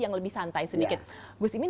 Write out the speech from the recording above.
yang lebih santai sedikit gus imin